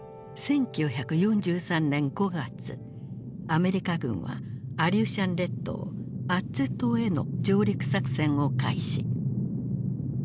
アメリカ軍はアリューシャン列島アッツ島への上陸作戦を開始。